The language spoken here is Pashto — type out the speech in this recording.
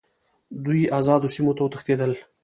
دوی آزادو سیمو ته وتښتېدل.